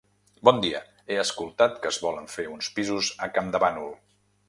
Bon dia, he escoltat que es volen fer uns pisos a Camdevanol.